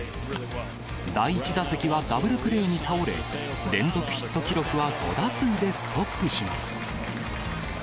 第１打席はダブルプレーに倒れ、連続ヒット記録は５打数でストップします。